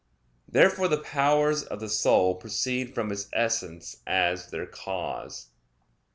Therefore the powers of the soul proceed from its essence as their cause.